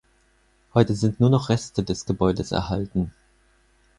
Heute sind nur noch Reste des Gebäudes erhalten.